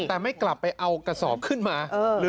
แต่ไม่กลับไปเอากระสอบขึ้นมา